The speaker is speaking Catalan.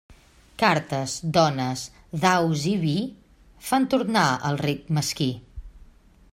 Cartes, dones, daus i vi fan tornar el ric mesquí.